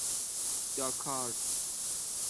داکار